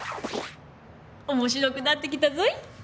面白くなってきたぞい。